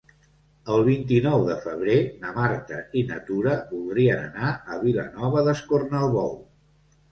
El vint-i-nou de febrer na Marta i na Tura voldrien anar a Vilanova d'Escornalbou.